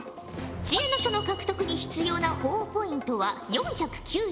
知恵の書の獲得に必要なほぉポイントは４９０。